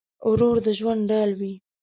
ورور د ژوند ډال وي.